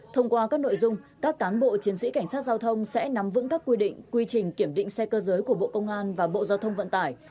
thông qua các nội dung các cán bộ chiến sĩ cảnh sát giao thông sẽ nắm vững các quy định quy trình kiểm định xe cơ giới của bộ công an và bộ giao thông vận tải